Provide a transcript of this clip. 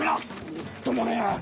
みっともねえな！